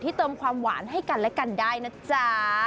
เติมความหวานให้กันและกันได้นะจ๊ะ